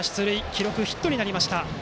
記録、ヒットになりました。